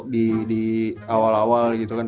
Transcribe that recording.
di awal awal gitu kan